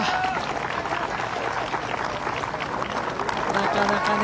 なかなかね。